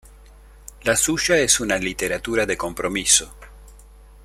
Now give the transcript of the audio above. La suya es una literatura de compromiso.